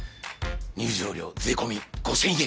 入場料税込み５，０００円。